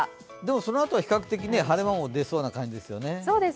そのあとは比較的晴れ間も出そうな感じですね。